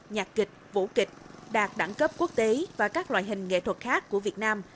nhạc kịch vũ kịch đạt đẳng cấp quốc tế và các loại hình nghệ thuật khác của việt nam